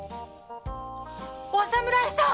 お侍さん！